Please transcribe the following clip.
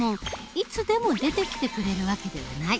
いつでも出てきてくれる訳ではない。